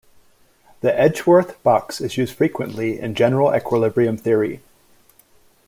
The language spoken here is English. The Edgeworth box is used frequently in general equilibrium theory.